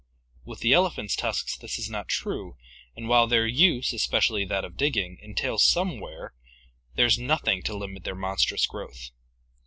With the elephant's tusks this is not true and while their use, especially that of digging, entails some wear, there is nothing to limit their monstrous growth.